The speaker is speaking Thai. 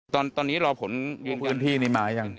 ตอนนี้เราผลวงพื้นที่หนึ่งมาไง